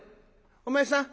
「お前さん！